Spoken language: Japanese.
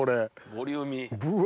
ボリューミー！